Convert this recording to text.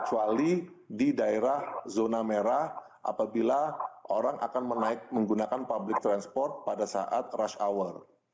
kecuali di daerah zona merah apabila orang akan menggunakan public transport pada saat rush hour